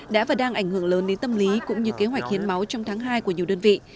đã và đang ảnh hưởng lớn đến tâm lý cũng như kế hoạch hiến máu trong tháng hai của nhiều đơn vị